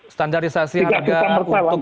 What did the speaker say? standarisasi harga untuk